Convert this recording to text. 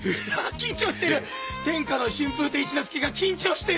天下の春風亭一之輔が緊張してる！